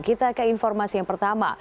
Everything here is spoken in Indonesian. kita ke informasi yang pertama